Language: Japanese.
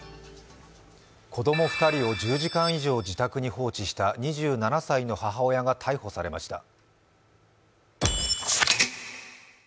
子供２人を１０時間以上自宅に放置した２７歳の母親が逮捕されました。